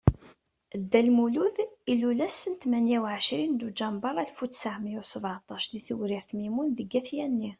Dda Lmulud ilul ass tmenya u ɛecrin Duǧember Alef u ttɛemya u sbaɛṭac di Tewrirt Mimun deg At Yanni.